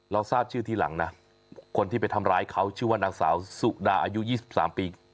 ทราบชื่อทีหลังนะคนที่ไปทำร้ายเขาชื่อว่านางสาวสุดาอายุ๒๓ปี